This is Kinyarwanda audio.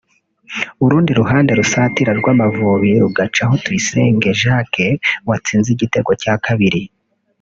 urundi ruhande rusatira rw’Amavubi rugacaho Tuyisenge Jacques watsinze igitego cya kabiri